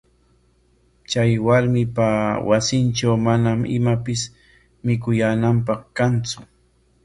Chay warmipa wasintraw manam imapis mikuyaananpaq kantsu.